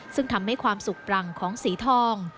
ซึ่งทำให้ความสุขปรังของสีทอง